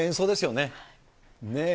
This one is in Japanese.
ねえ。